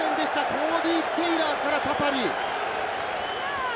コーディー・テイラーからパパリィイ。